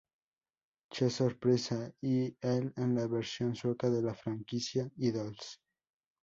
Che sorpresa", y el en la versión sueca de la franquicia "Idols".